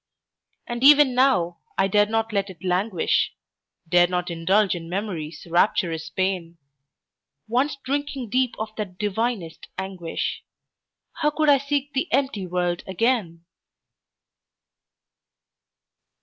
And even now, I dare not let it languish, Dare not indulge in Memory's rapturous pain; Once drinking deep of that divinest anguish, How could I seek the empty world again?